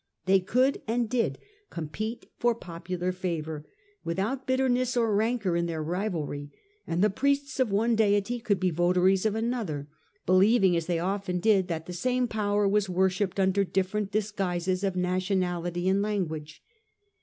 They could and did compete for popular favour, without bitterness or rancour in their rivalry ; and the priests of one deity could be votaries of another, believing, as they often did, that the same Power was worshipped under different disguises of nationality and language.